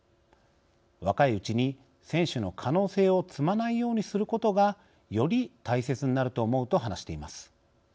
若いうちに選手の可能性を摘まないようにすることがより大切になると思う」と話しています。